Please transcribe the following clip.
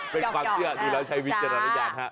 เป็นความเชื่อดูแล้วใช้วิจารณญาณฮะ